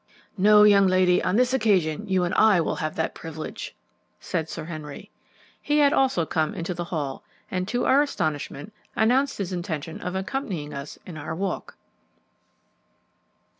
"No, young lady, on this occasion you and I will have that privilege," said Sir Henry. He had also come into the hall, and, to our astonishment, announced his intention of accompanying us in our walk.